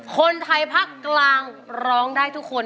คนไทยภาคกลางร้องได้ทุกคน